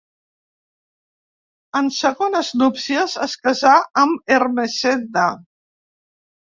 En segones núpcies es casà amb Ermessenda.